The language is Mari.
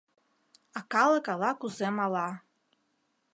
А калык ала-кузе мала.